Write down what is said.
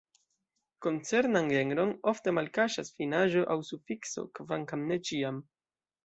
Koncernan genron ofte malkaŝas finaĵo aŭ sufikso, kvankam ne ĉiam.